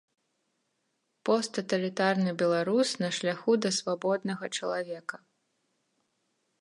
Посттаталітарны беларус на шляху да свабоднага чалавека.